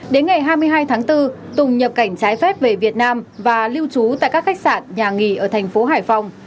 đến ngày hai mươi hai tháng bốn tùng nhập cảnh trái phép về việt nam và lưu trú tại các khách sạn nhà nghỉ ở thành phố hải phòng